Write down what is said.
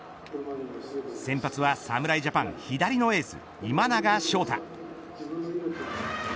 先発は侍ジャパン左のエース今永昇太。